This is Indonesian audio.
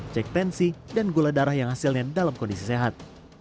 cek tensi dan gula darah yang hasilnya dalam kondisi sehat